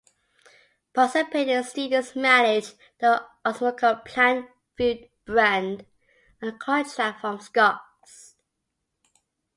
Participating students manage the Osmocote Plant Food brand under contract from Scotts.